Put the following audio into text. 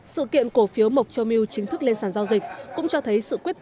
sự kiện cổ phiếu mộc châu milk chính thức lên sản giao dịch cũng cho thấy sự quyết định